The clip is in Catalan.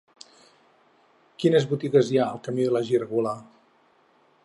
Quines botigues hi ha al camí de la Gírgola?